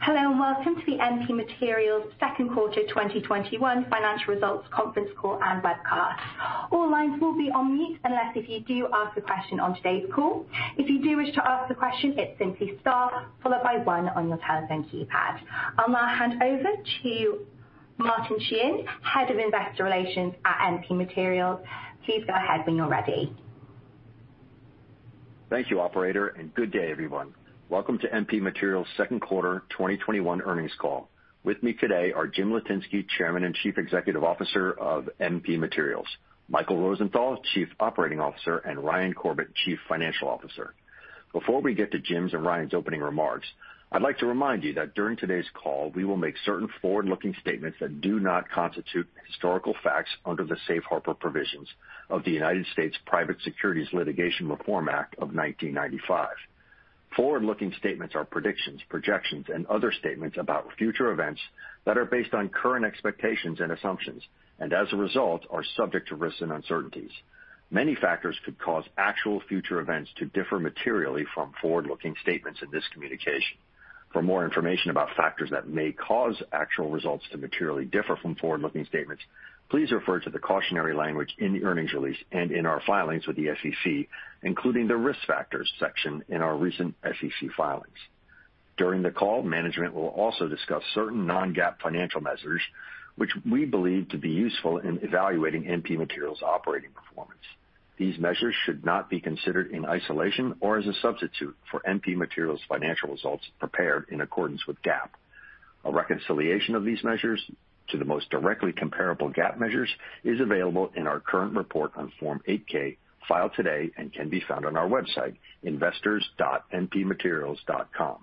Hello, and welcome to the MP Materials second quarter 2021 financial results conference call and webcast. All lines will be on mute unless if you do ask a question on today's call. If you do wish to ask the question, it's simply star followed by one on your telephone keypad. I'll now hand over to Martin Sheehan, Head of Investor Relations at MP Materials. Please go ahead when you're ready. Thank you, operator, and good day, everyone. Welcome to MP Materials second quarter 2021 earnings call. With me today are Jim Litinsky, Chairman and Chief Executive Officer of MP Materials, Michael Rosenthal, Chief Operating Officer, and Ryan Corbett, Chief Financial Officer. Before we get to Jim's and Ryan's opening remarks, I'd like to remind you that during today's call, we will make certain forward-looking statements that do not constitute historical facts under the safe harbor provisions of the United States Private Securities Litigation Reform Act of 1995. Forward-looking statements are predictions, projections, and other statements about future events that are based on current expectations and assumptions, and as a result, are subject to risks and uncertainties. Many factors could cause actual future events to differ materially from forward-looking statements in this communication. For more information about factors that may cause actual results to materially differ from forward-looking statements, please refer to the cautionary language in the earnings release and in our filings with the SEC, including the Risk Factors section in our recent SEC filings. During the call, management will also discuss certain non-GAAP financial measures which we believe to be useful in evaluating MP Materials' operating performance. These measures should not be considered in isolation or as a substitute for MP Materials' financial results prepared in accordance with GAAP. A reconciliation of these measures to the most directly comparable GAAP measures is available in our current report on Form 8-K filed today and can be found on our website, investors.mpmaterials.com.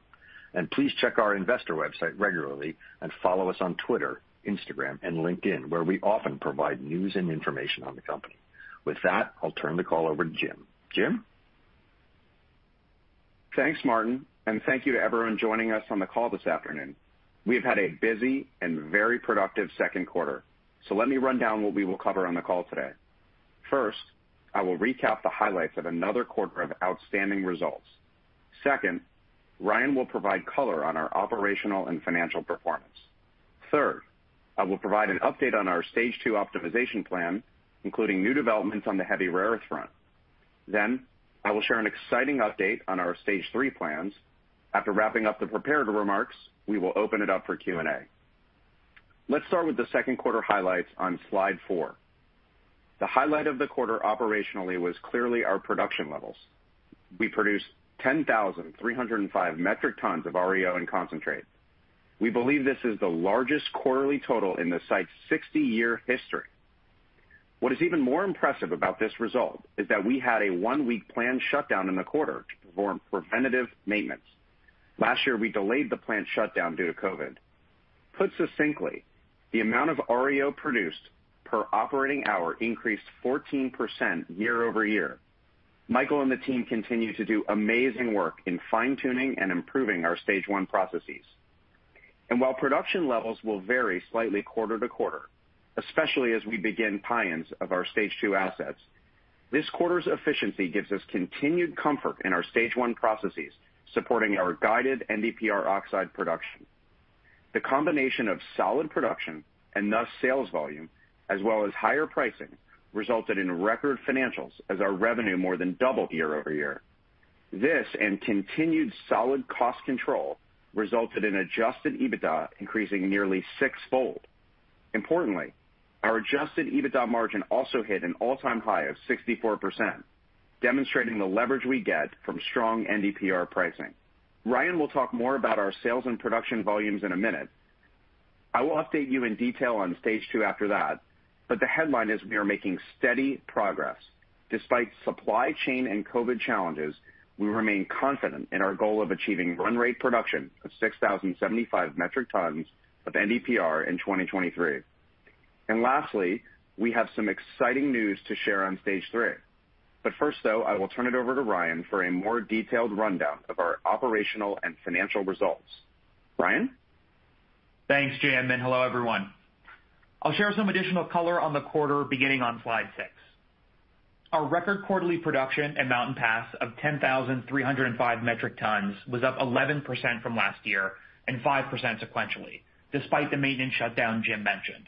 Please check our investor website regularly and follow us on Twitter, Instagram, and LinkedIn, where we often provide news and information on the company. With that, I'll turn the call over to Jim. Jim? Thanks, Martin, thank you to everyone joining us on the call this afternoon. We have had a busy and very productive second quarter, let me run down what we will cover on the call today. First, I will recap the highlights of another quarter of outstanding results. Second, Ryan will provide color on our operational and financial performance. Third, I will provide an update on our Stage II optimization plan, including new developments on the heavy rare earth front. I will share an exciting update on our Stage III plans. After wrapping up the prepared remarks, we will open it up for Q&A. Let's start with the second quarter highlights on slide four. The highlight of the quarter operationally was clearly our production levels. We produced 10,305 metric tons of REO and concentrate. We believe this is the largest quarterly total in the site's 60-year history. What is even more impressive about this result is that we had a one-week planned shutdown in the quarter to perform preventative maintenance. Last year, we delayed the plant shutdown due to COVID. Put succinctly, the amount of REO produced per operating hour increased 14% year-over-year. Michael and the team continue to do amazing work in fine-tuning and improving our Stage I processes. While production levels will vary slightly quarter-to-quarter, especially as we begin tie-ins of our Stage II assets, this quarter's efficiency gives us continued comfort in our Stage I processes, supporting our guided NdPr oxide production. The combination of solid production and thus sales volume, as well as higher pricing, resulted in record financials as our revenue more than doubled year-over-year. This and continued solid cost control resulted in adjusted EBITDA increasing nearly sixfold. Our adjusted EBITDA margin also hit an all-time high of 64%, demonstrating the leverage we get from strong NdPr pricing. Ryan will talk more about our sales and production volumes in a minute. I will update you in detail on Stage II after that, the headline is we are making steady progress. Despite supply chain and COVID-19 challenges, we remain confident in our goal of achieving run rate production of 6,075 metric tons of NdPr in 2023. Lastly, we have some exciting news to share on Stage III. First, though, I will turn it over to Ryan for a more detailed rundown of our operational and financial results. Ryan? Thanks, Jim, and hello, everyone. I'll share some additional color on the quarter beginning on slide six. Our record quarterly production at Mountain Pass of 10,305 metric tons was up 11% from last year and 5% sequentially, despite the maintenance shutdown Jim mentioned.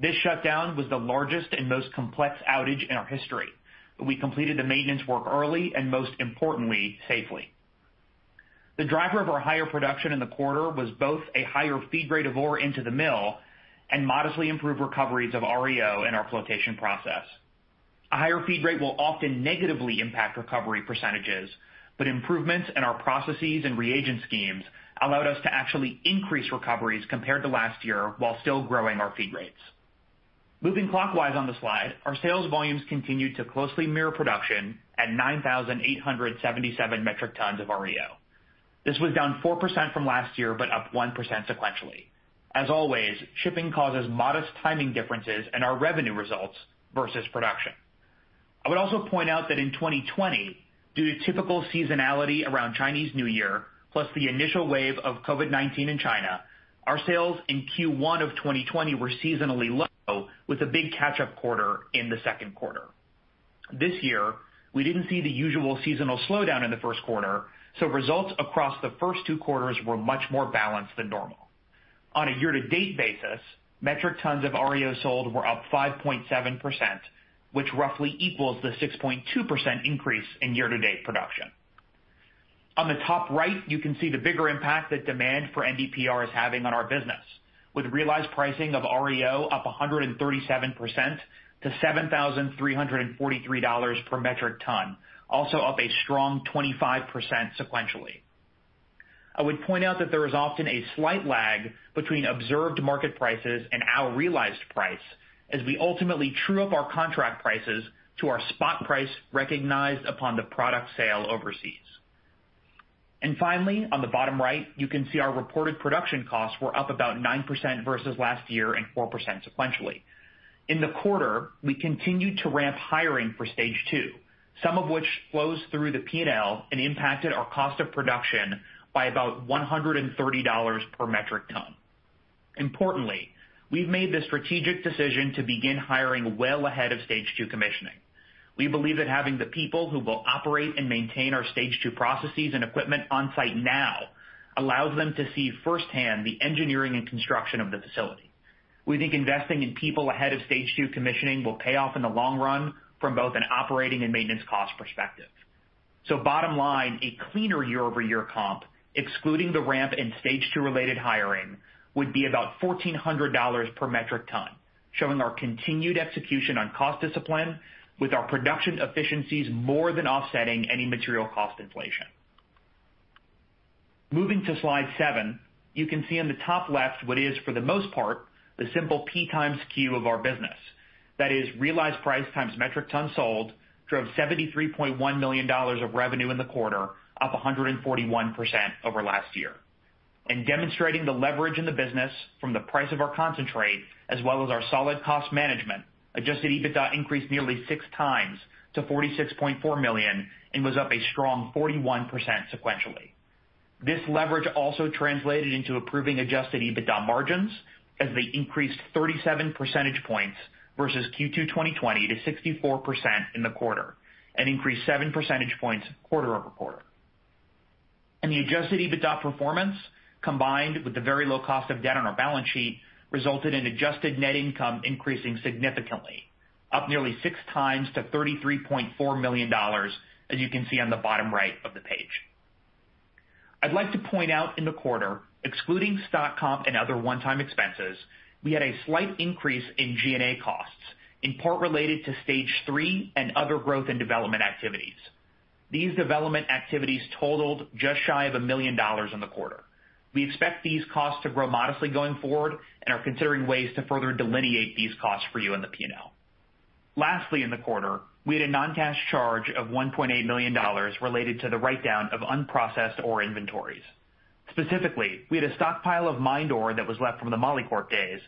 This shutdown was the largest and most complex outage in our history, but we completed the maintenance work early and, most importantly, safely. The driver of our higher production in the quarter was both a higher feed rate of ore into the mill and modestly improved recoveries of REO in our flotation process. A higher feed rate will often negatively impact recovery percentages, but improvements in our processes and reagent schemes allowed us to actually increase recoveries compared to last year while still growing our feed rates. Moving clockwise on the slide, our sales volumes continued to closely mirror production at 9,877 metric tons of REO. This was down 4% from last year, but up 1% sequentially. As always, shipping causes modest timing differences in our revenue results versus production. I would also point out that in 2020, due to typical seasonality around Chinese New Year, plus the initial wave of COVID-19 in China, our sales in Q1 of 2020 were seasonally low, with a big catch-up quarter in the second quarter. This year, we didn't see the usual seasonal slowdown in the first quarter, so results across the first two quarters were much more balanced than normal. On a year-to-date basis, metric tons of REO sold were up 5.7%, which roughly equals the 6.2% increase in year-to-date production. On the top right, you can see the bigger impact that demand for NdPr is having on our business. With realized pricing of REO up 137% to $7,343 per metric ton, also up a strong 25% sequentially. I would point out that there is often a slight lag between observed market prices and our realized price as we ultimately true up our contract prices to our spot price recognized upon the product sale overseas. Finally, on the bottom right, you can see our reported production costs were up about 9% versus last year and 4% sequentially. In the quarter, we continued to ramp hiring for Stage II, some of which flows through the P&L and impacted our cost of production by about $130 per metric ton. Importantly, we've made the strategic decision to begin hiring well ahead of Stage II commissioning. We believe that having the people who will operate and maintain our Stage II processes and equipment on-site now allows them to see firsthand the engineering and construction of the facility. We think investing in people ahead of Stage II commissioning will pay off in the long run from both an operating and maintenance cost perspective. Bottom line, a cleaner year-over-year comp, excluding the ramp in Stage II related hiring, would be about $1,400 per metric ton, showing our continued execution on cost discipline with our production efficiencies more than offsetting any material cost inflation. Moving to slide seven, you can see on the top left what is for the most part, the simple P times Q of our business. That is realized price times metric ton sold drove $73.1 million of revenue in the quarter, up 141% over last year. In demonstrating the leverage in the business from the price of our concentrate as well as our solid cost management, adjusted EBITDA increased nearly 6 times to $46.4 million and was up a strong 41% sequentially. This leverage also translated into improving adjusted EBITDA margins as they increased 37 percentage points versus Q2 2020 to 64% in the quarter, increased 7 percentage points quarter-over-quarter. The adjusted EBITDA performance, combined with the very low cost of debt on our balance sheet, resulted in adjusted net income increasing significantly, up nearly 6 times to $33.4 million, as you can see on the bottom right of the page. I'd like to point out in the quarter, excluding stock comp and other one-time expenses, we had a slight increase in G&A costs, in part related to Stage III and other growth and development activities. These development activities totaled just shy of $1 million in the quarter. We expect these costs to grow modestly going forward and are considering ways to further delineate these costs for you in the P&L. Lastly, in the quarter, we had a non-cash charge of $1.8 million related to the write-down of unprocessed ore inventories. Specifically, we had a stockpile of mined ore that was left from the Molycorp days.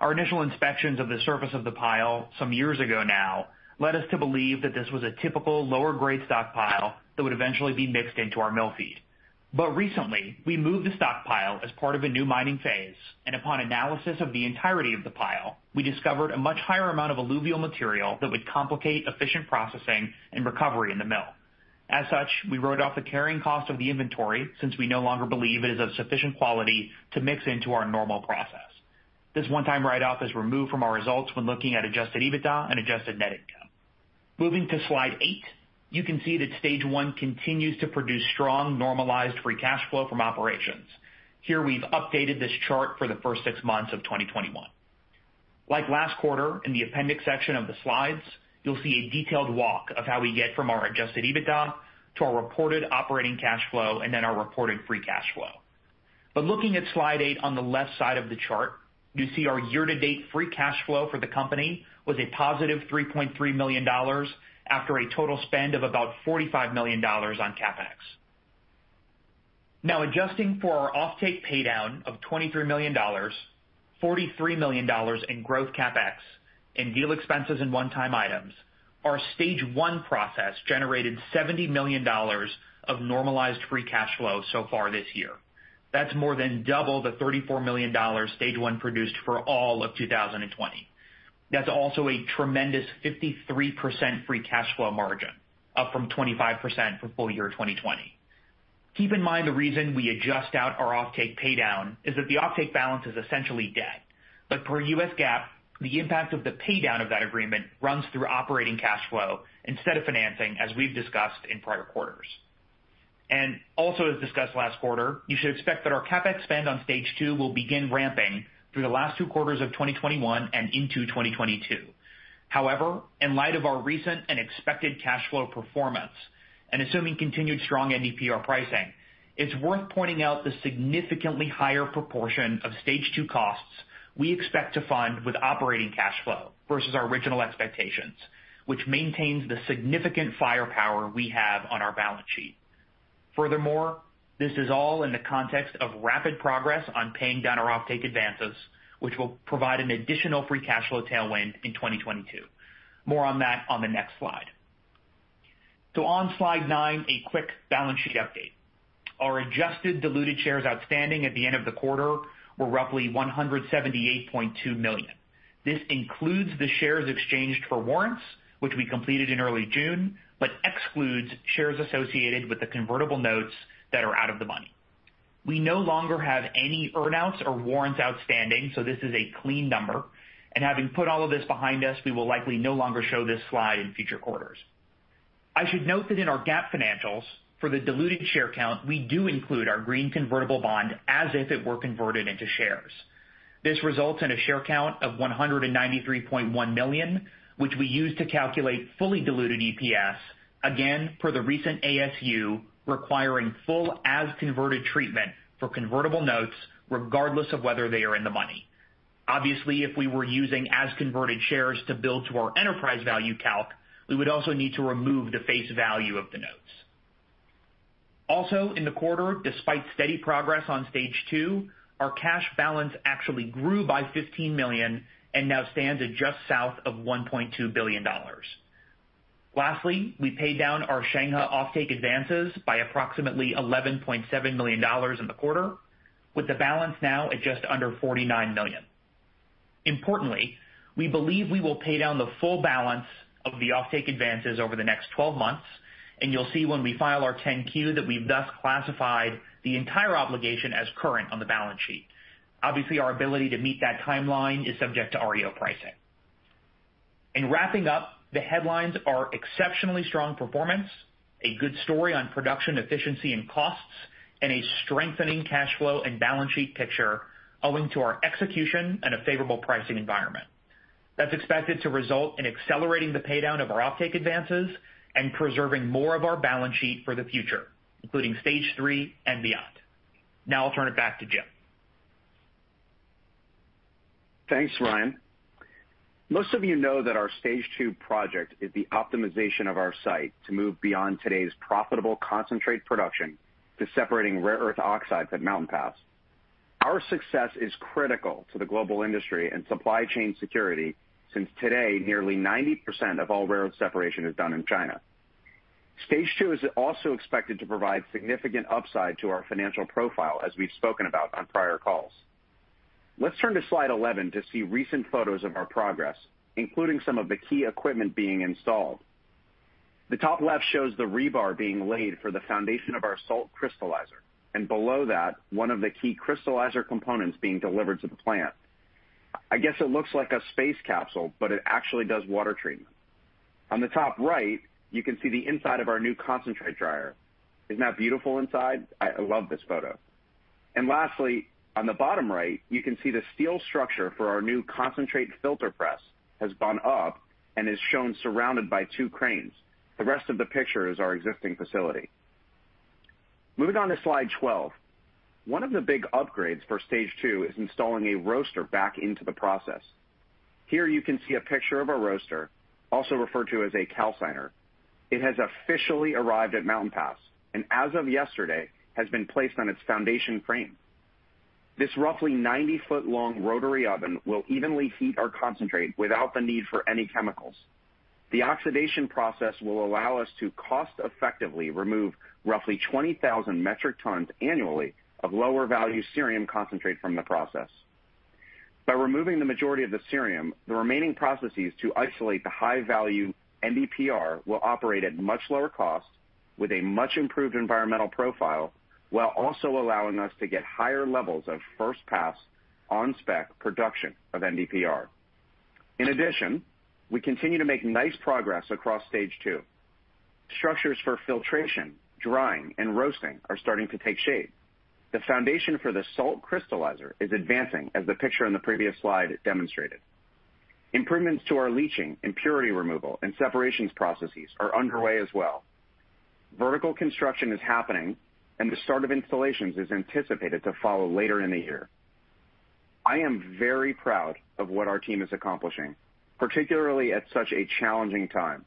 Our initial inspections of the surface of the pile some years ago now led us to believe that this was a typical lower grade stockpile that would eventually be mixed into our mill feed. But recently, we moved the stockpile as part of a new mining phase, and upon analysis of the entirety of the pile, we discovered a much higher amount of alluvial material that would complicate efficient processing and recovery in the mill. As such, we wrote off the carrying cost of the inventory since we no longer believe it is of sufficient quality to mix into our normal process. This one-time write-off is removed from our results when looking at adjusted EBITDA and adjusted net income. Moving to slide eight, you can see that Stage I continues to produce strong normalized free cash flow from operations. Here we've updated this chart for the first six months of 2021. Like last quarter, in the appendix section of the slides, you'll see a detailed walk of how we get from our adjusted EBITDA to our reported operating cash flow, and then our reported free cash flow. Looking at slide eight on the left side of the chart, you see our year-to-date free cash flow for the company was a positive $3.3 million after a total spend of about $45 million on CapEx. Adjusting for our offtake paydown of $23 million, $43 million in growth CapEx and deal expenses and one-time items, our Stage I process generated $70 million of normalized free cash flow so far this year. That's more than double the $34 million Stage I produced for all of 2020. That's also a tremendous 53% free cash flow margin, up from 25% for full year 2020. Keep in mind the reason we adjust out our offtake paydown is that the offtake balance is essentially debt. Per US GAAP, the impact of the paydown of that agreement runs through operating cash flow instead of financing, as we've discussed in prior quarters. Also as discussed last quarter, you should expect that our CapEx spend on Stage II will begin ramping through the last two quarters of 2021 and into 2022. However, in light of our recent and expected cash flow performance, and assuming continued strong NdPr pricing, it's worth pointing out the significantly higher proportion of Stage II costs we expect to fund with operating cash flow versus our original expectations, which maintains the significant firepower we have on our balance sheet. Furthermore, this is all in the context of rapid progress on paying down our offtake advances, which will provide an additional free cash flow tailwind in 2022. More on that on the next slide. On slide nine, a quick balance sheet update. Our adjusted diluted shares outstanding at the end of the quarter were roughly $178.2 million. This includes the shares exchanged for warrants, which we completed in early June, but excludes shares associated with the convertible notes that are out of the money. We no longer have any earn-outs or warrants outstanding, so this is a clean number. Having put all of this behind us, we will likely no longer show this slide in future quarters. I should note that in our GAAP financials for the diluted share count, we do include our green convertible bond as if it were converted into shares. This results in a share count of $193.1 million, which we use to calculate fully diluted EPS, again, per the recent ASU requiring full as-converted treatment for convertible notes regardless of whether they are in the money. Obviously, if we were using as-converted shares to build to our enterprise value calc, we would also need to remove the face value of the notes. Also, in the quarter, despite steady progress on Stage II, our cash balance actually grew by $15 million and now stands at just south of $1.2 billion. Lastly, we paid down our Shenghe offtake advances by approximately $11.7 million in the quarter, with the balance now at just under $49 million. Importantly, we believe we will pay down the full balance of the offtake advances over the next 12 months, and you'll see when we file our Form 10-Q that we've thus classified the entire obligation as current on the balance sheet. Obviously, our ability to meet that timeline is subject to REO pricing. In wrapping up, the headlines are exceptionally strong performance, a good story on production efficiency and costs, and a strengthening cash flow and balance sheet picture owing to our execution and a favorable pricing environment. That's expected to result in accelerating the paydown of our offtake advances and preserving more of our balance sheet for the future, including Stage III and beyond. Now I'll turn it back to Jim. Thanks, Ryan. Most of you know that our Stage II project is the optimization of our site to move beyond today's profitable concentrate production to separating rare earth oxides at Mountain Pass. Our success is critical to the global industry and supply chain security since today, nearly 90% of all rare earth separation is done in China. Stage II is also expected to provide significant upside to our financial profile, as we've spoken about on prior calls. Let's turn to slide 11 to see recent photos of our progress, including some of the key equipment being installed. The top left shows the rebar being laid for the foundation of our salt crystallizer, and below that, one of the key crystallizer components being delivered to the plant. I guess it looks like a space capsule, but it actually does water treatment. On the top right, you can see the inside of our new concentrate dryer. Isn't that beautiful inside? I love this photo. Lastly, on the bottom right, you can see the steel structure for our new concentrate filter press has gone up and is shown surrounded by two cranes. The rest of the picture is our existing facility. Moving on to slide 12. One of the big upgrades for Stage II is installing a roaster back into the process. Here you can see a picture of a roaster, also referred to as a calciner. It has officially arrived at Mountain Pass, and as of yesterday has been placed on its foundation frame. This roughly 90-foot-long rotary oven will evenly heat our concentrate without the need for any chemicals. The oxidation process will allow us to cost effectively remove roughly 20,000 metric tons annually of lower value cerium concentrate from the process. By removing the majority of the cerium, the remaining processes to isolate the high-value NdPr will operate at much lower cost with a much improved environmental profile, while also allowing us to get higher levels of first pass on spec production of NdPr. In addition, we continue to make nice progress across Stage II. Structures for filtration, drying, and roasting are starting to take shape. The foundation for the salt crystallizer is advancing as the picture in the previous slide demonstrated. Improvements to our leaching, impurity removal, and separations processes are underway as well. Vertical construction is happening, and the start of installations is anticipated to follow later in the year. I am very proud of what our team is accomplishing, particularly at such a challenging time.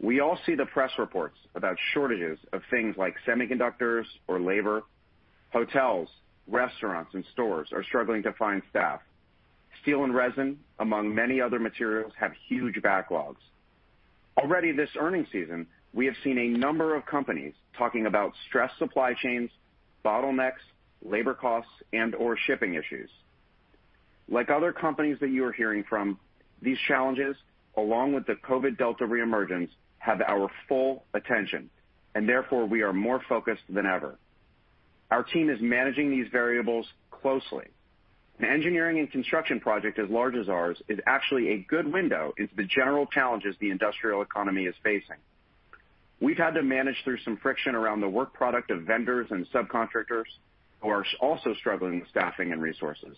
We all see the press reports about shortages of things like semiconductors or labor. Hotels, restaurants, and stores are struggling to find staff. Steel and resin, among many other materials, have huge backlogs. Already this earnings season, we have seen a number of companies talking about stressed supply chains, bottlenecks, labor costs, and/or shipping issues. Like other companies that you are hearing from, these challenges, along with the COVID Delta reemergence, have our full attention, and therefore we are more focused than ever. Our team is managing these variables closely. An engineering and construction project as large as ours is actually a good window into the general challenges the industrial economy is facing. We've had to manage through some friction around the work product of vendors and subcontractors who are also struggling with staffing and resources.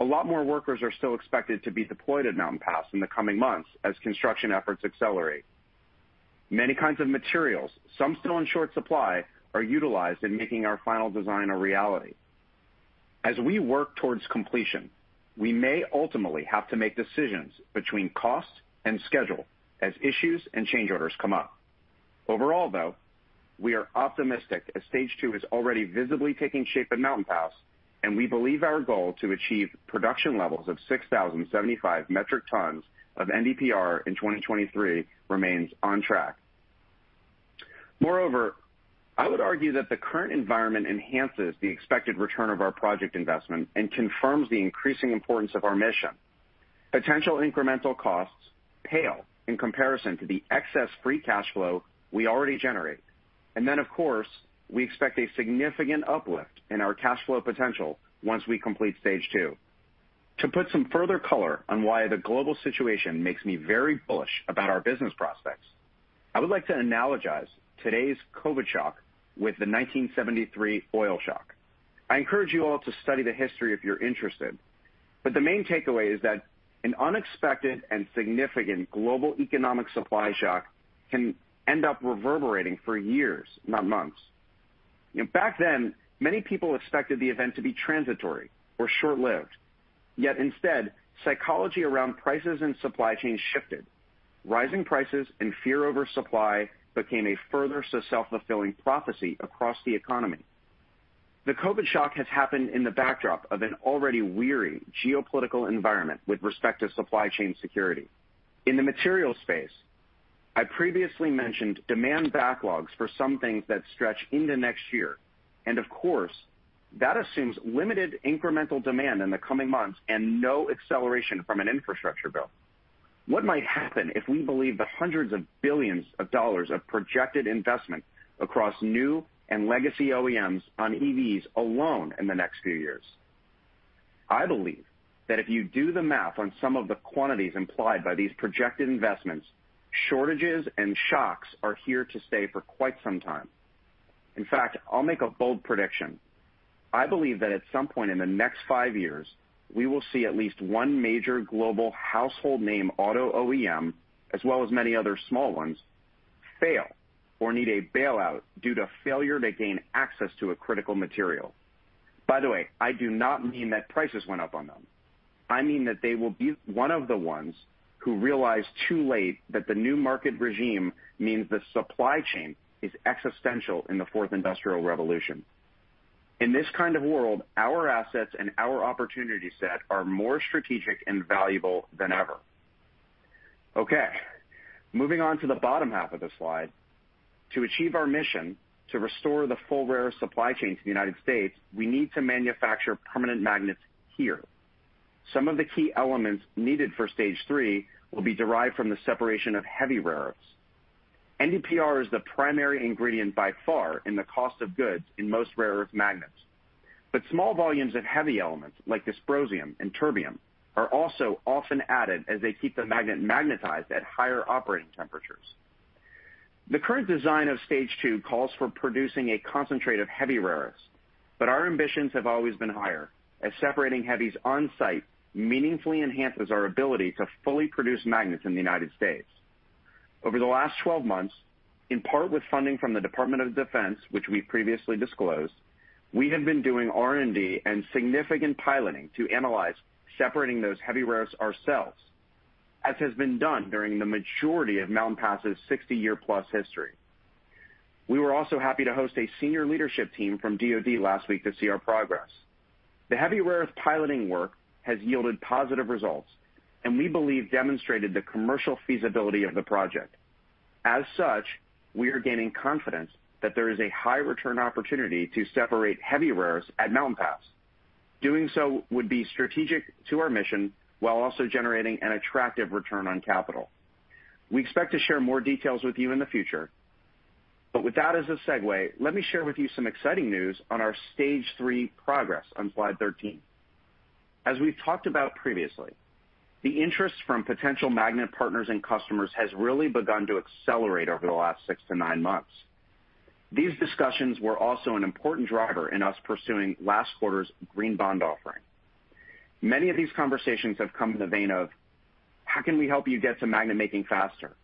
A lot more workers are still expected to be deployed at Mountain Pass in the coming months as construction efforts accelerate. Many kinds of materials, some still in short supply, are utilized in making our final design a reality. As we work towards completion, we may ultimately have to make decisions between cost and schedule as issues and change orders come up. Overall though, we are optimistic as Stage II is already visibly taking shape at Mountain Pass, and we believe our goal to achieve production levels of 6,075 metric tons of NdPr in 2023 remains on track. Moreover, I would argue that the current environment enhances the expected return of our project investment and confirms the increasing importance of our mission. Potential incremental costs pale in comparison to the excess free cash flow we already generate. Of course, we expect a significant uplift in our cash flow potential once we complete Stage II. To put some further color on why the global situation makes me very bullish about our business prospects, I would like to analogize today's COVID shock with the 1973 oil shock. I encourage you all to study the history if you're interested, the main takeaway is that an unexpected and significant global economic supply shock can end up reverberating for years, not months. Back then, many people expected the event to be transitory or short-lived. Instead, psychology around prices and supply chains shifted. Rising prices and fear over supply became a further self-fulfilling prophecy across the economy. The COVID-19 shock has happened in the backdrop of an already weary geopolitical environment with respect to supply chain security. In the material space, I previously mentioned demand backlogs for some things that stretch into next year. Of course, that assumes limited incremental demand in the coming months and no acceleration from an infrastructure bill. What might happen if we believe the 100s of billions of dollars of projected investment across new and legacy OEMs on EVs alone in the next few years? I believe that if you do the math on some of the quantities implied by these projected investments, shortages and shocks are here to stay for quite some time. In fact, I'll make a bold prediction. I believe that at some point in the next five years, we will see at least one major global household name auto OEM, as well as many other small ones, fail or need a bailout due to failure to gain access to a critical material. By the way, I do not mean that prices went up on them. I mean that they will be one of the ones who realize too late that the new market regime means the supply chain is existential in the fourth industrial revolution. In this kind of world, our assets and our opportunity set are more strategic and valuable than ever. Okay. Moving on to the bottom half of the slide. To achieve our mission to restore the full rare earth supply chain to the United States, we need to manufacture permanent magnets here. Some of the key elements needed for Stage III will be derived from the separation of heavy rare earths. NdPr is the primary ingredient by far in the cost of goods in most rare earth magnets. Small volumes of heavy elements, like dysprosium and terbium, are also often added as they keep the magnet magnetized at higher operating temperatures. The current design of Stage II calls for producing a concentrate of heavy rare earths, but our ambitions have always been higher, as separating heavies on-site meaningfully enhances our ability to fully produce magnets in the United States. Over the last 12 months, in part with funding from the Department of Defense, which we previously disclosed, we have been doing R&D and significant piloting to analyze separating those heavy rare earths ourselves, as has been done during the majority of Mountain Pass's 60-year-plus history. We were also happy to host a senior leadership team from DoD last week to see our progress. The heavy rare earth piloting work has yielded positive results, and we believe demonstrated the commercial feasibility of the project. We are gaining confidence that there is a high return opportunity to separate heavy rare earths at Mountain Pass. Doing so would be strategic to our mission while also generating an attractive return on capital. We expect to share more details with you in the future. With that as a segue, let me share with you some exciting news on our Stage III progress on slide 13. As we've talked about previously, the interest from potential magnet partners and customers has really begun to accelerate over the last six months-nine months. These discussions were also an important driver in us pursuing last quarter's green bond offering. Many of these conversations have come in the vein of, "How can we help you get to magnet making faster?"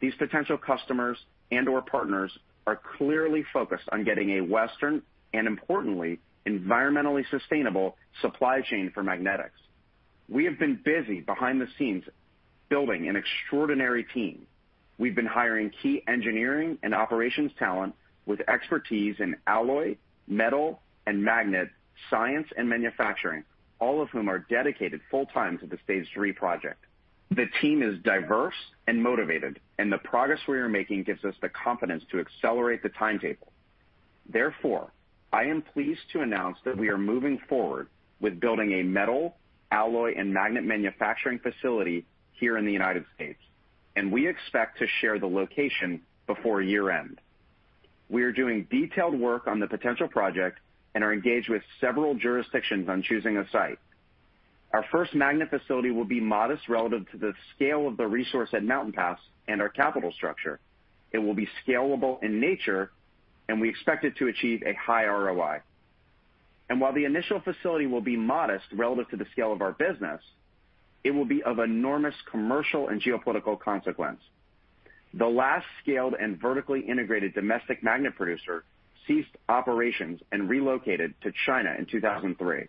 These potential customers and/or partners are clearly focused on getting a Western, and importantly, environmentally sustainable supply chain for magnetics. We have been busy behind the scenes building an extraordinary team. We've been hiring key engineering and operations talent with expertise in alloy, metal, and magnet science and manufacturing, all of whom are dedicated full-time to the Stage III project. The team is diverse and motivated, and the progress we are making gives us the confidence to accelerate the timetable. Therefore, I am pleased to announce that we are moving forward with building a metal, alloy, and magnet manufacturing facility here in the United States, and we expect to share the location before year-end. We are doing detailed work on the potential project and are engaged with several jurisdictions on choosing a site. Our first magnet facility will be modest relative to the scale of the resource at Mountain Pass and our capital structure. It will be scalable in nature, and we expect it to achieve a high ROI. While the initial facility will be modest relative to the scale of our business, it will be of enormous commercial and geopolitical consequence. The last scaled and vertically integrated domestic magnet producer ceased operations and relocated to China in 2003.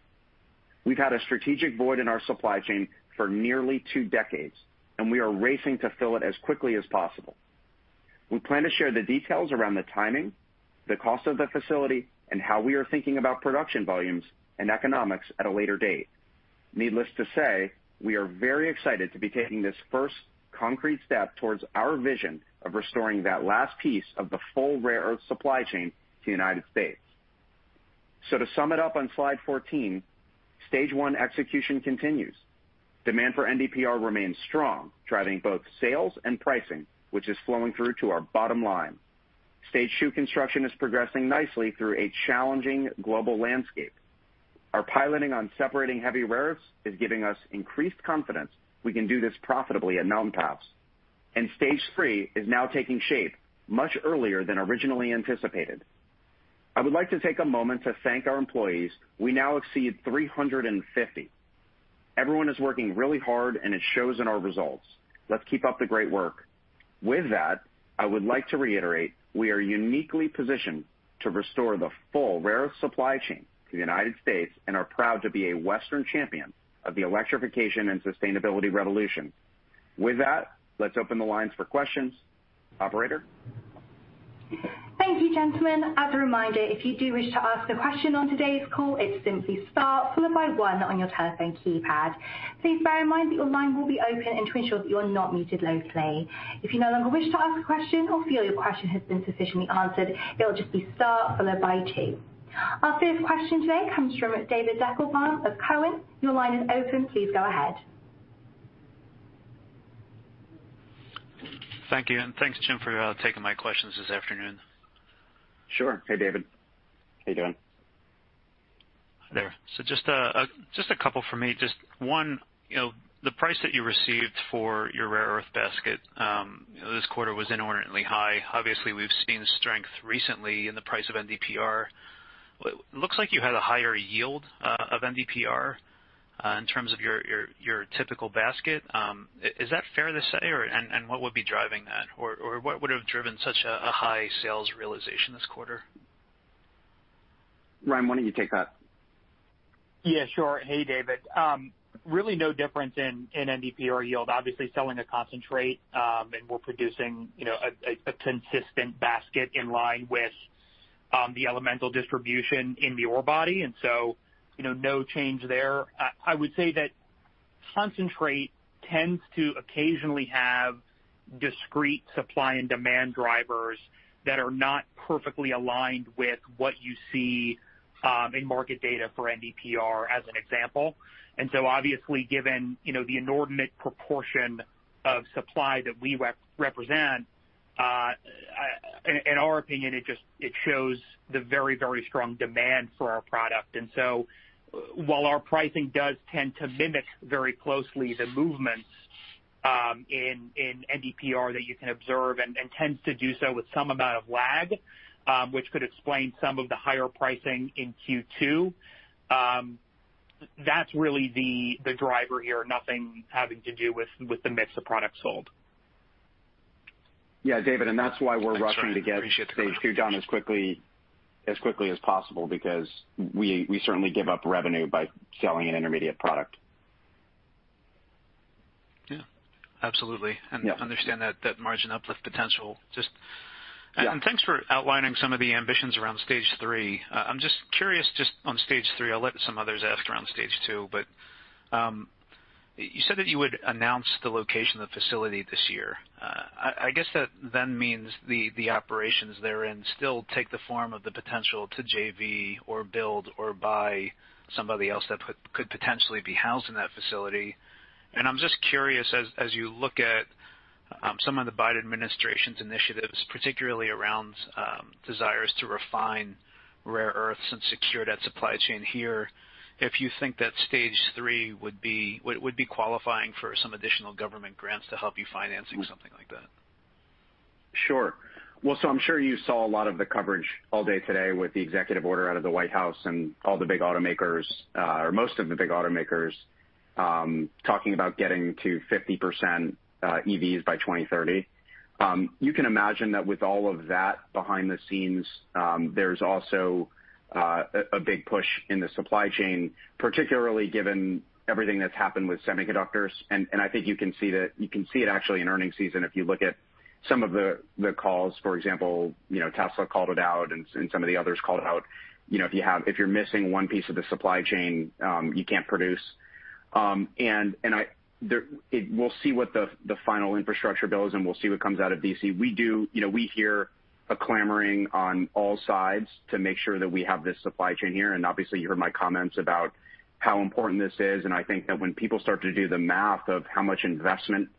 We've had a strategic void in our supply chain for nearly two decades, and we are racing to fill it as quickly as possible. We plan to share the details around the timing, the cost of the facility, and how we are thinking about production volumes and economics at a later date. Needless to say, we are very excited to be taking this first concrete step towards our vision of restoring that last piece of the full rare earth supply chain to the United States. To sum it up on slide 14, Stage I execution continues. Demand for NdPr remains strong, driving both sales and pricing, which is flowing through to our bottom line. Stage II construction is progressing nicely through a challenging global landscape. Our piloting on separating heavy rare earths is giving us increased confidence we can do this profitably at Mountain Pass. Stage III is now taking shape much earlier than originally anticipated. I would like to take a moment to thank our employees. We now exceed 350. Everyone is working really hard, and it shows in our results. Let's keep up the great work. With that, I would like to reiterate, we are uniquely positioned to restore the full rare earth supply chain to the United States and are proud to be a Western champion of the electrification and sustainability revolution. With that, let's open the lines for questions. Operator? Thank you, gentlemen. As a reminder, If you do wish to ask a question on today's call, it's simply star followed by one on your telephone keypad. Please bear in mind that your line will be open and make sure that you are not muted locally. If you no longer wish to ask a question or feel your question has been sufficiently answered, it'II just be star followed by number two. Our first question today comes from David Deckelbaum of Cowen. Your line is open. Please go ahead. Thank you, thanks, Jim, for taking my questions this afternoon. Sure. Hey, David. How you doing? Hi there. Just a couple from me. Just one, the price that you received for your rare earth basket this quarter was inordinately high. Obviously, we've seen strength recently in the price of NdPr. Looks like you had a higher yield of NdPr in terms of your typical basket. Is that fair to say? What would be driving that? What would have driven such a high sales realization this quarter? Ryan, why don't you take that? Yeah, sure. Hey, David. Really no difference in NdPr yield. Obviously, selling a concentrate, and we're producing a consistent basket in line with the elemental distribution in the ore body. No change there. I would say that concentrate tends to occasionally have discrete supply and demand drivers that are not perfectly aligned with what you see in market data for NdPr, as an example. Obviously, given the inordinate proportion of supply that we represent, in our opinion, it shows the very, very strong demand for our product. While our pricing does tend to mimic very closely the movements in NdPr that you can observe and tends to do so with some amount of lag, which could explain some of the higher pricing in Q2, that's really the driver here. Nothing having to do with the mix of product sold. Yeah, David, that's why we're rushing to get Stage II done as quickly as possible because we certainly give up revenue by selling an intermediate product. Yeah. Absolutely. Yeah. Understand that margin uplift potential. Yeah. Thanks for outlining some of the ambitions around Stage III. I'm just curious on Stage III. I'll let some others ask around Stage II. You said that you would announce the location of the facility this year. I guess that means the operations therein still take the form of the potential to JV or build or buy somebody else that could potentially be housed in that facility. I'm just curious, as you look at some of the Biden administration's initiatives, particularly around desires to refine rare earths and secure that supply chain here, if you think that Stage III would be qualifying for some additional government grants to help you finance something like that? Sure. Well, I'm sure you saw a lot of the coverage all day today with the executive order out of the White House and all the big automakers, or most of the big automakers, talking about getting to 50% EVs by 2030. You can imagine that with all of that behind the scenes, there's also a big push in the supply chain, particularly given everything that's happened with semiconductors. I think you can see it actually in earnings season, if you look at some of the calls, for example, Tesla called it out and some of the others called it out. If you're missing one piece of the supply chain, you can't produce. We'll see what the final infrastructure bill is, and we'll see what comes out of D.C. We hear a clamoring on all sides to make sure that we have this supply chain here. Obviously you heard my comments about how important this is. I think that when people start to do the math of how much investment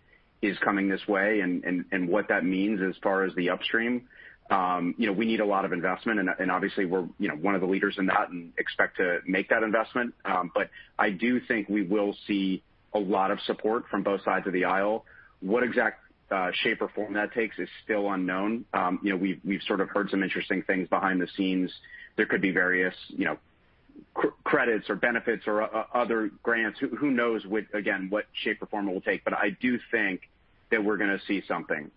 is coming this way and what that means as far as the upstream, we need a lot of investment. Obviously we're one of the leaders in that and expect to make that investment. I do think we will see a lot of support from both sides of the aisle. What exact shape or form that takes is still unknown. We've sort of heard some interesting things behind the scenes. There could be various credits or benefits or other grants. Who knows, again, what shape or form it will take. I do think that we're going to see something,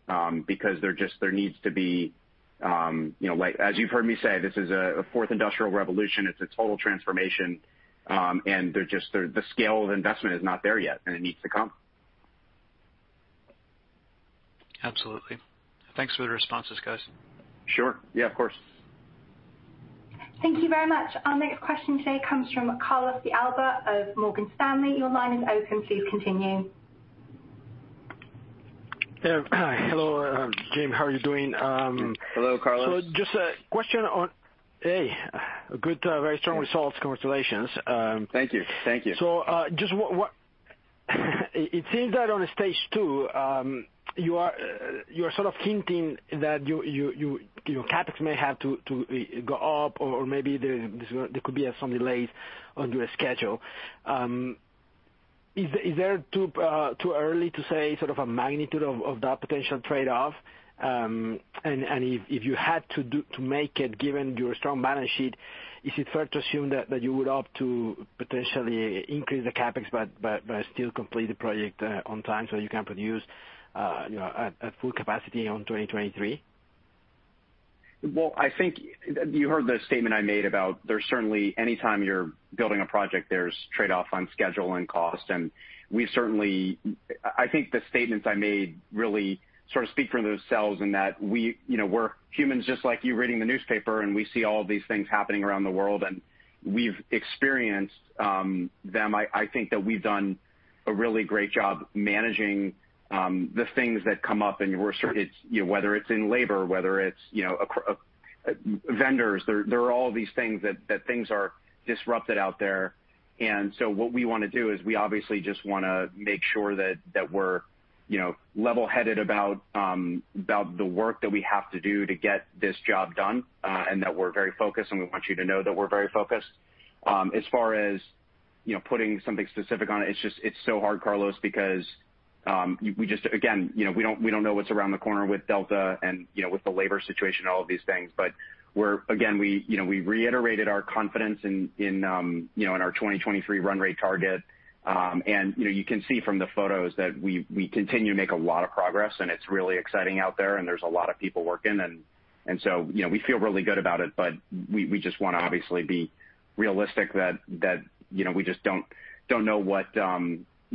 because there needs to be, as you've heard me say, this is a fourth industrial revolution, it's a total transformation, and the scale of investment is not there yet, and it needs to come. Absolutely. Thanks for the responses, guys. Sure. Yeah, of course. Thank you very much. Our next question today comes from Carlos de Alba of Morgan Stanley. Your line is open, please continue. Yeah. Hello, Jim. How are you doing? Hello, Carlos. Good, very strong results. Congratulations. Thank you. It seems that on Stage II, you are sort of hinting that your CapEx may have to go up or maybe there could be some delays on your schedule. Is it too early to say sort of a magnitude of that potential trade-off? If you had to make it, given your strong balance sheet, is it fair to assume that you would opt to potentially increase the CapEx but still complete the project on time so you can produce at full capacity on 2023? Well, I think you heard the statement I made about there is certainly, anytime you are building a project, there is trade-off on schedule and cost. I think the statements I made really sort of speak for themselves in that we are humans just like you reading the newspaper, and we see all these things happening around the world, and we have experienced them. I think that we have done a really great job managing the things that come up, whether it is in labor, whether it is vendors. There are all these things that things are disrupted out there. What we want to do is we obviously just want to make sure that we are level-headed about the work that we have to do to get this job done, and that we are very focused and we want you to know that we are very focused. As far as putting something specific on it's so hard, Carlos, because we just, again, we don't know what's around the corner with Delta and with the labor situation, all of these things. We're, again, we reiterated our confidence in our 2023 run rate target. You can see from the photos that we continue to make a lot of progress, and it's really exciting out there, and there's a lot of people working, and so we feel really good about it. We just want to obviously be realistic that we just don't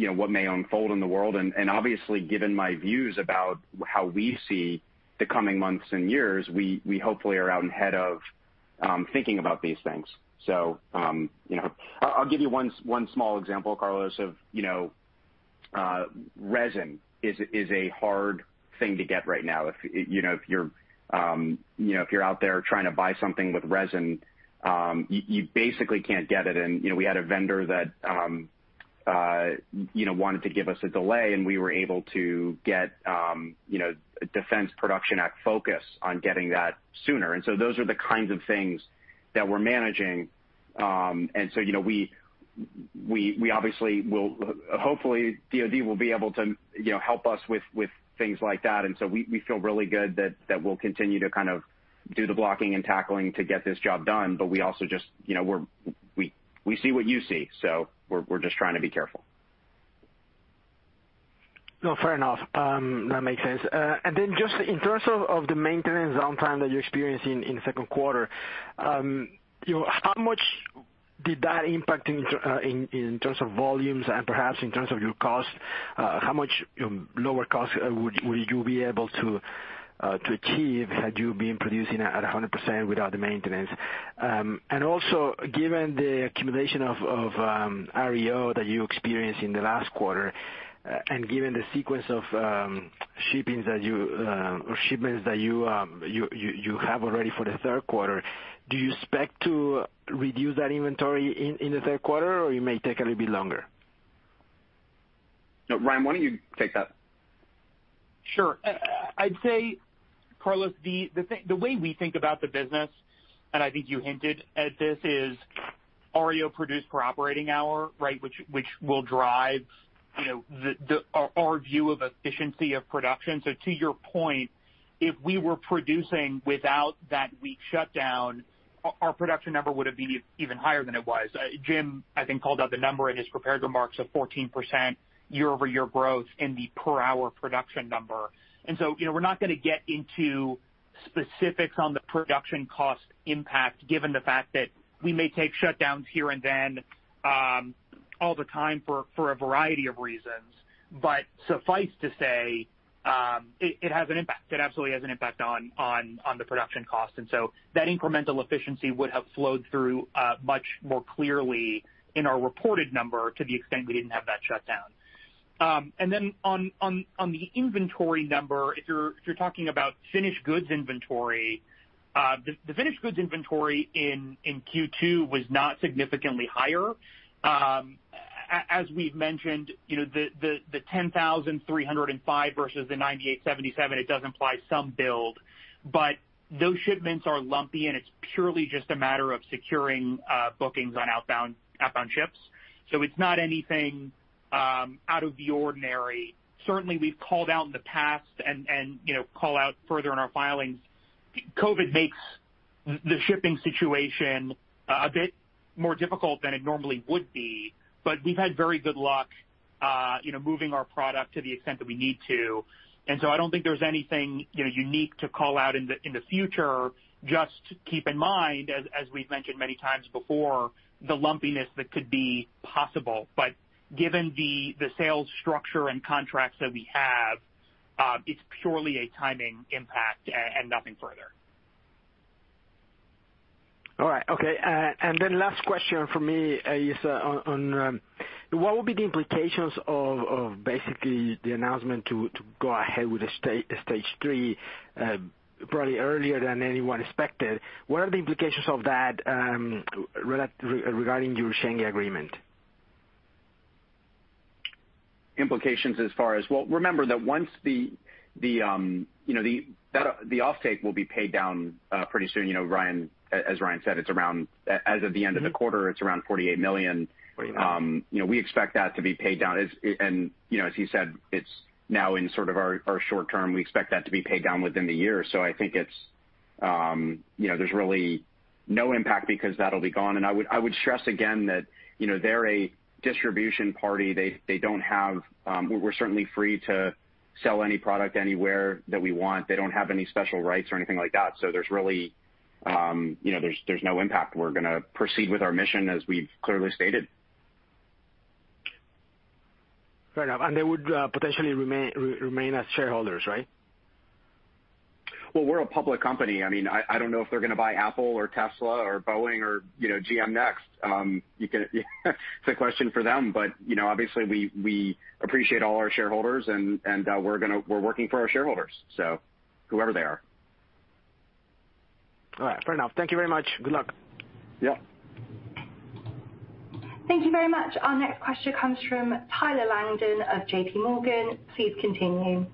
know what may unfold in the world. Obviously, given my views about how we see the coming months and years, we hopefully are out ahead of thinking about these things. I'll give you one small example, Carlos, of resin is a hard thing to get right now. If you're out there trying to buy something with resin, you basically can't get it. We had a vendor that wanted to give us a delay, and we were able to get Defense Production Act focus on getting that sooner. Those are the kinds of things that we're managing. We obviously will. Hopefully, DoD will be able to help us with things like that. We feel really good that we'll continue to kind of do the blocking and tackling to get this job done. We see what you see, so we're just trying to be careful. No, fair enough. That makes sense. Then just in terms of the maintenance downtime that you're experiencing in the second quarter, how much did that impact in terms of volumes and perhaps in terms of your cost? How much lower cost will you be able to achieve had you been producing at 100% without the maintenance? Also, given the accumulation of REO that you experienced in the last quarter, and given the sequence of shipments that you have already for the third quarter, do you expect to reduce that inventory in the third quarter, or it may take a little bit longer? No. Ryan, why don't you take that? Sure. I'd say, Carlos, the way we think about the business, and I think you hinted at this, is REO produced per operating hour, which will drive our view of efficiency of production. To your point, if we were producing without that week shutdown, our production number would have been even higher than it was. Jim, I think, called out the number in his prepared remarks of 14% year-over-year growth in the per-hour production number. We're not going to get into specifics on the production cost impact given the fact that we may take shutdowns here and then all the time for a variety of reasons. Suffice to say, it has an impact. It absolutely has an impact on the production cost. That incremental efficiency would have flowed through much more clearly in our reported number to the extent we didn't have that shutdown. On the inventory number, if you're talking about finished goods inventory, the finished goods inventory in Q2 was not significantly higher. As we've mentioned, the 10,305 metric tons versus the 9,877 metric tons, it does imply some build. Those shipments are lumpy, and it's purely just a matter of securing bookings on outbound ships. It's not anything out of the ordinary. Certainly, we've called out in the past. Call out further in our filings. COVID makes the shipping situation a bit more difficult than it normally would be, but we've had very good luck moving our product to the extent that we need to. I don't think there's anything unique to call out in the future. Just keep in mind, as we've mentioned many times before, the lumpiness that could be possible. Given the sales structure and contracts that we have, it's purely a timing impact and nothing further. All right. Okay. Last question from me is on what will be the implications of basically the announcement to go ahead with the Stage III, probably earlier than anyone expected. What are the implications of that regarding your Shenghe agreement? Well, remember that once the offtake will be paid down pretty soon. As Ryan said, as of the end of the quarter, it's around $48 million. We expect that to be paid down. As he said, it's now in sort of our short term. We expect that to be paid down within the year. I think there's really no impact because that'll be gone. I would stress again that they're a distribution party. We're certainly free to sell any product anywhere that we want. They don't have any special rights or anything like that. There's no impact. We're going to proceed with our mission as we've clearly stated. Fair enough. They would potentially remain as shareholders, right? Well, we're a public company. I don't know if they're going to buy Apple or Tesla or Boeing or GM next. It's a question for them. Obviously we appreciate all our shareholders and we're working for our shareholders, so whoever they are. All right. Fair enough. Thank you very much. Good luck. Yep. Thank you very much. Our next question comes from Tyler Langton of JP Morgan. Please continue.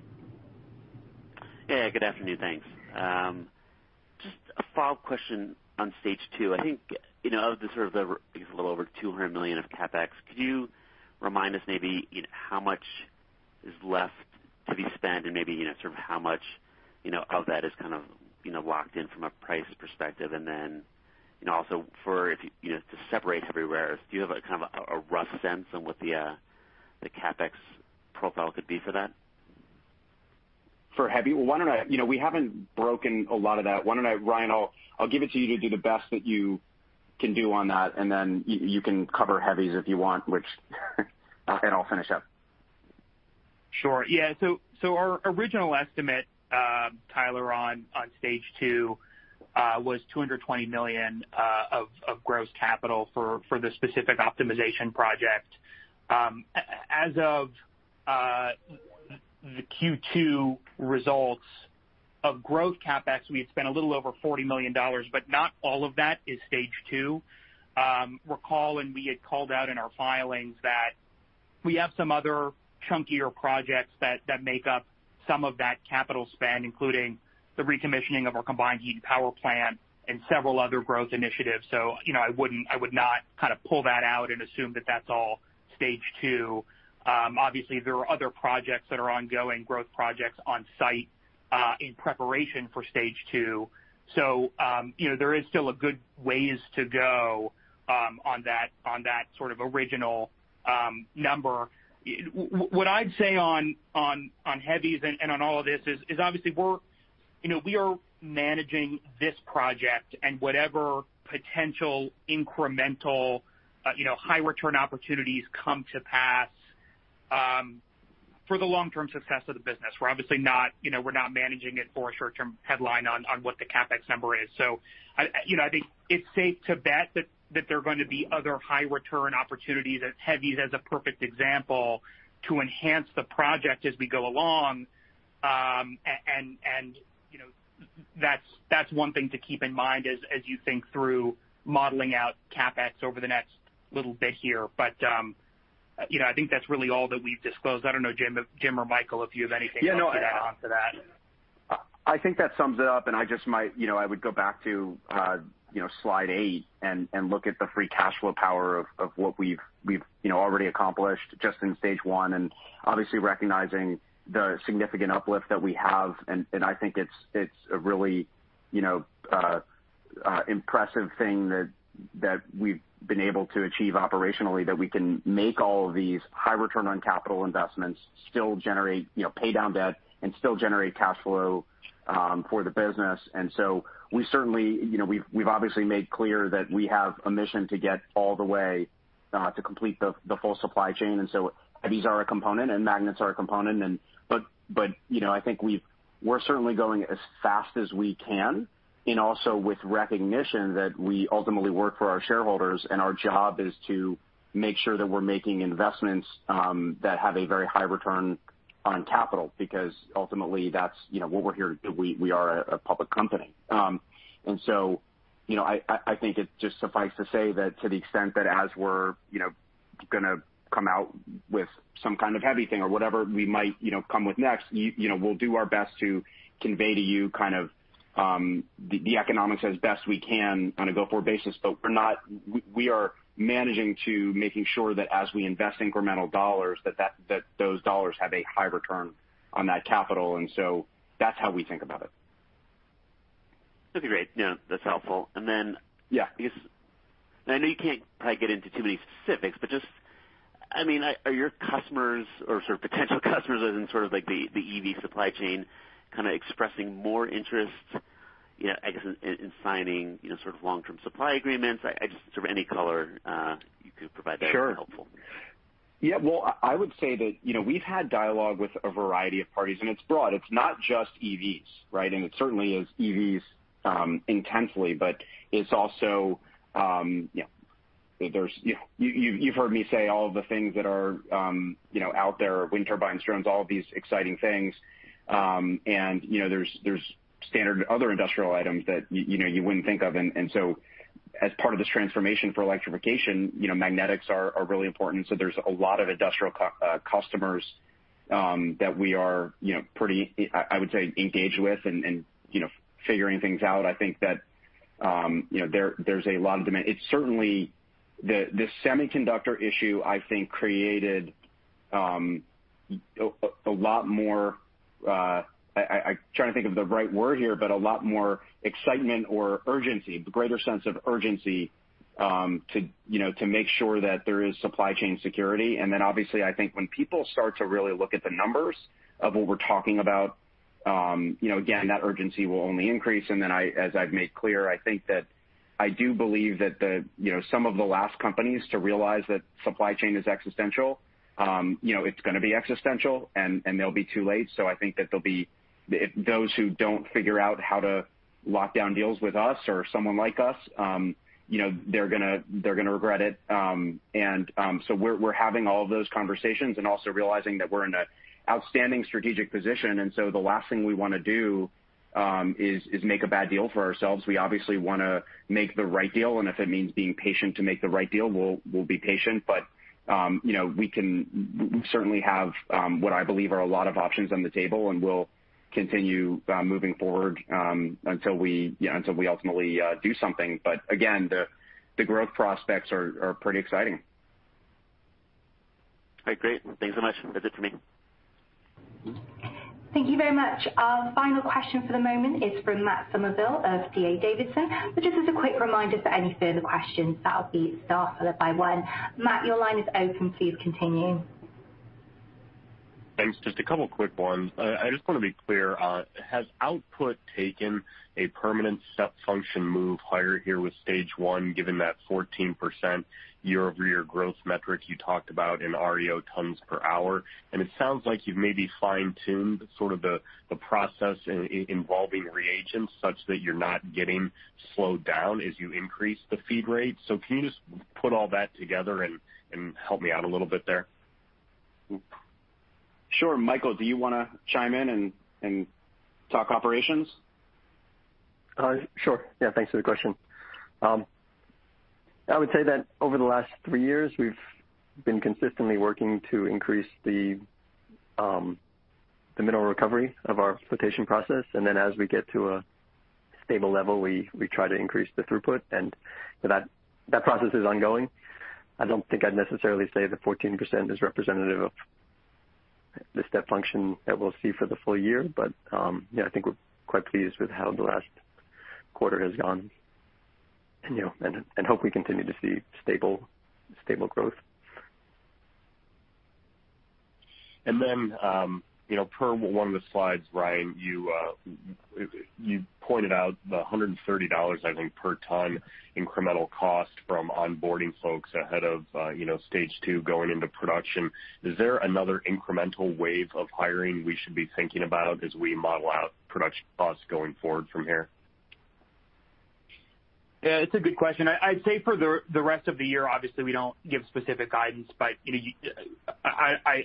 Yeah, good afternoon, thanks. Just a follow-up question on Stage II. I think of the sort of the little over $200 million of CapEx, could you remind us maybe how much is left to be spent and maybe sort of how much of that is kind of locked in from a price perspective? Also to separate heavy rares, do you have a kind of a rough sense on what the CapEx profile could be for that? For heavy? We haven't broken a lot of that. Why don't I, Ryan, I'll give it to you to do the best that you can do on that, then you can cover heavies if you want, and I'll finish up. Sure. Yeah. Our original estimate, Tyler, on Stage II, was $220 million of gross capital for the specific optimization project. As of the Q2 results of growth CapEx, we had spent a little over $40 million, not all of that is Stage II. Recall when we had called out in our filings that we have some other chunkier projects that make up some of that capital spend, including the recommissioning of our combined heat and power plant and several other growth initiatives. I would not kind of pull that out and assume that that's all Stage II. Obviously, there are other projects that are ongoing growth projects on site, in preparation for Stage II. There is still a good ways to go on that sort of original number. What I'd say on heavies and on all of this is obviously we are managing this project and whatever potential incremental high return opportunities come to pass for the long-term success of the business. We're obviously not managing it for a short-term headline on what the CapEx number is. I think it's safe to bet that there are going to be other high return opportunities as heavies as a perfect example to enhance the project as we go along. That's one thing to keep in mind as you think through modeling out CapEx over the next little bit here. I think that's really all that we've disclosed. I don't know, Jim or Michael, if you have anything else to add onto that. Yeah, no, I think that sums it up. I would go back to slide eight and look at the free cash flow power of what we've already accomplished just in Stage I, and obviously recognizing the significant uplift that we have. I think it's a really impressive thing that we've been able to achieve operationally that we can make all of these high return on capital investments, still pay down debt, and still generate cash flow for the business. We've obviously made clear that we have a mission to get all the way to complete the full supply chain. Heavies are a component and magnets are a component, but I think we're certainly going as fast as we can. Also with recognition that we ultimately work for our shareholders and our job is to make sure that we're making investments that have a very high return on capital. Ultimately that's what we're here to do. We are a public company. I think it just suffice to say that to the extent that as we're going to come out with some kind of heavy thing or whatever we might come with next, we'll do our best to convey to you kind of the economics as best we can on a go-forward basis. We are managing to making sure that as we invest incremental dollars, that those dollars have a high return on that capital, and so that's how we think about it. That'd be great. Yeah, that's helpful. Yeah I know you can't probably get into too many specifics, are your customers or potential customers in the EV supply chain expressing more interest in signing long-term supply agreements, just any color you could provide there? Sure would be helpful. Yeah. Well, I would say that we've had dialogue with a variety of parties, and it's broad. It's not just EVs, right? It certainly is EVs intensely, but you've heard me say all of the things that are out there, wind turbines, drones, all of these exciting things. There's standard other industrial items that you wouldn't think of. As part of this transformation for electrification, magnetics are really important. There's a lot of industrial customers that we are pretty, I would say, engaged with and figuring things out. I think that there's a lot of demand. The semiconductor issue, I think, created a lot more, I'm trying to think of the right word here, but a lot more excitement or urgency, greater sense of urgency, to make sure that there is supply chain security. Obviously, I think when people start to really look at the numbers of what we're talking about, again, that urgency will only increase. As I've made clear, I think that I do believe that some of the last companies to realize that supply chain is existential, it's going to be existential, and they'll be too late. I think that those who don't figure out how to lock down deals with us or someone like us, they're going to regret it. We're having all of those conversations and also realizing that we're in a outstanding strategic position. The last thing we want to do is make a bad deal for ourselves. We obviously want to make the right deal, and if it means being patient to make the right deal, we'll be patient. We certainly have what I believe are a lot of options on the table, and we'll continue moving forward until we ultimately do something. Again, the growth prospects are pretty exciting. Okay, great. Thanks so much. That's it for me. Thank you very much. Our final question for the moment is from Matt Summerville of D.A. Davidson. Just as a quick reminder for any further questions, that'll be star followed by one. Matt, your line is open. Please continue. Thanks. Just a couple quick ones. I just want to be clear, has output taken a permanent step function move higher here with Stage I, given that 14% year-over-year growth metric you talked about in REO tons per hour? It sounds like you've maybe fine-tuned the process involving reagents such that you're not getting slowed down as you increase the feed rate. Can you just put all that together and help me out a little bit there? Sure. Michael, do you want to chime in and talk operations? Sure. Yeah. Thanks for the question. I would say that over the last three years, we've been consistently working to increase the mineral recovery of our flotation process. As we get to a stable level, we try to increase the throughput, and that process is ongoing. I don't think I'd necessarily say the 14% is representative of the step function that we'll see for the full year. I think we're quite pleased with how the last quarter has gone and hope we continue to see stable growth. Per one of the slides, Ryan, you pointed out the $130, I think, per ton incremental cost from onboarding folks ahead of Stage II going into production. Is there another incremental wave of hiring we should be thinking about as we model out production costs going forward from here? Yeah, it's a good question. I'd say for the rest of the year, obviously, we don't give specific guidance.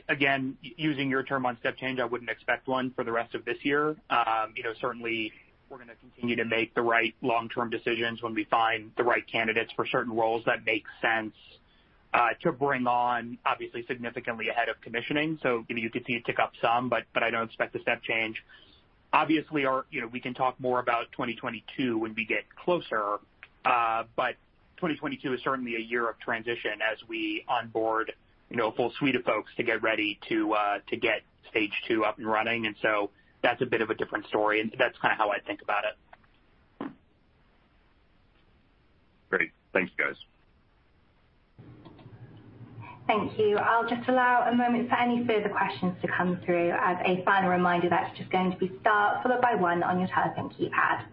Again, using your term on step change, I wouldn't expect one for the rest of this year. Certainly, we're going to continue to make the right long-term decisions when we find the right candidates for certain roles that make sense to bring on, obviously, significantly ahead of commissioning. You could see it tick up some, but I don't expect a step change. Obviously, we can talk more about 2022 when we get closer. 2022 is certainly a year of transition as we onboard a full suite of folks to get ready to get Stage II up and running. That's a bit of a different story, and that's how I think about it. Great. Thanks, guys. Thank you. I'll just allow a moment for any further questions to come through. As a final reminder, that's just going to be star followed by one on your telephone keypad.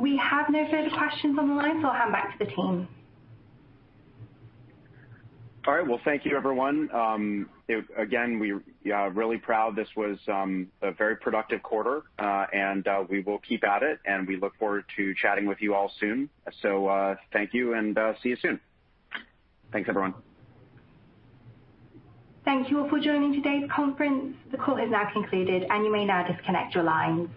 We have no further questions on the line, so I'll hand back to the team. All right. Well, thank you everyone. Again, we're really proud. This was a very productive quarter. We will keep at it, and we look forward to chatting with you all soon. Thank you, and see you soon. Thanks, everyone. Thank you all for joining today's conference. The call is now concluded, and you may now disconnect your lines.